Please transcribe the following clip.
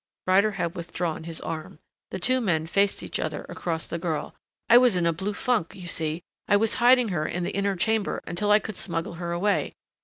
Ryder had withdrawn his arm; the two men faced each other across the girl. "I was in a blue funk you see, I was hiding her in the inner chamber until I could smuggle her away.